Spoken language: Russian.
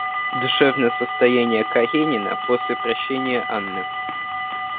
Душевное состояние Каренина после прощения Анны.